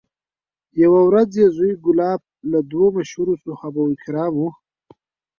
یوه ورځ یې زوی کلاب له دوو مشهورو صحابه کرامو